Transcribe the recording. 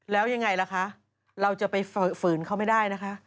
แล้วยังไงล่ะคะเราจะไปฝืนเขาไม่ได้นะคะ